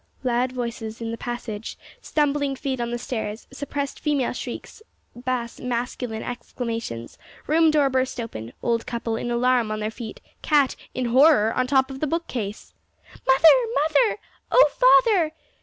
Loud voices in the passage; stumbling feet on the stairs; suppressed female shrieks; bass masculine exclamations; room door burst open; old couple, in alarm, on their feet; cat, in horror, on the top of the bookcase! "Mother! mother! O father!"